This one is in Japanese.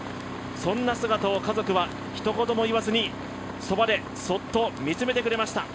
そんな姿を家族はひと言も言わずにそばでそっと見つめてくれました。